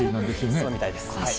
そうみたいです。